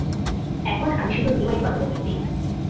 এখন আমি শুধু রিওয়াইন্ড বাটনে টিপ দেই।